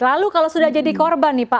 lalu kalau sudah jadi korban nih pak